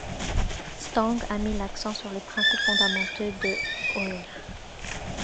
Stang a mis l'accent sur les principes fondamentaux de Høyre.